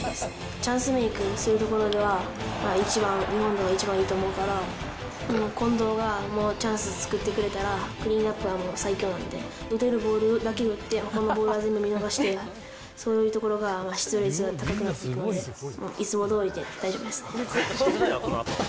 チャンスメークをするところでは、一番、日本では一番いいと思うから、もう近藤がチャンス作ってくれたら、クリーンナップは最強なんで、打てるボールだけ打って、ほかのボールを全部見逃して、そういうところがいいんで、出塁率が高くなってくるので、いつもどおりで大丈夫ですね。